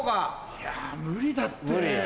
いや無理だって。